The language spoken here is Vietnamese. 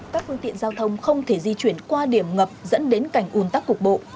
các phương tiện giao thông không thể di chuyển qua điểm ngập dẫn đến cảnh un tắc cục bộ